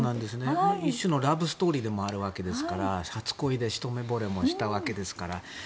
一種のラブストーリーでもあるわけですから、初恋でひと目ぼれもしたわけですから。